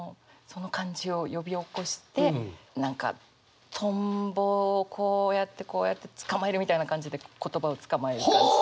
その感じを呼び起こして何かとんぼをこうやってこうやって捕まえるみたいな感じで言葉をつかまえる感じ。